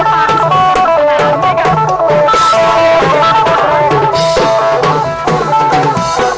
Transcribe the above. เพื่อรับความรับทราบของคุณ